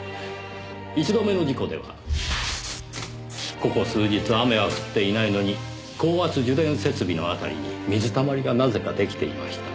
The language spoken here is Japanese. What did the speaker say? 一度目の事故ではここ数日雨は降っていないのに高圧受電設備の辺りに水たまりがなぜか出来ていました。